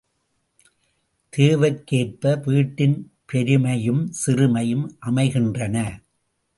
தேவைக்கேற்ப வீட்டின் பெருமையும் சிறுமையும் அமைகின்றன.